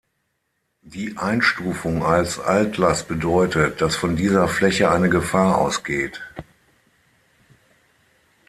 Die Einstufung als Altlast bedeutet, dass von dieser Fläche eine Gefahr ausgeht.